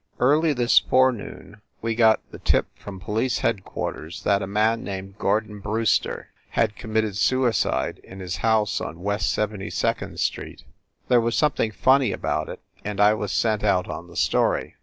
Early this forenoon we got the tip from police headquarters that a man named Gordon Brewster had committed suicide in his house on West Seventy second Street. There was some thing funny about it, and I was sent out on the story.